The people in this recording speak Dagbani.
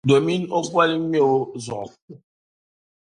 domin o boli ŋmɛbo zuɣu.